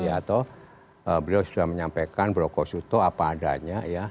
atau beliau sudah menyampaikan blokosuto apa adanya